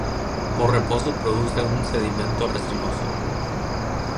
Por reposo produce un sedimento resinoso.